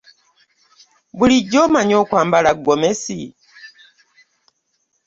Bulijjo omanyi okwambala gomesi.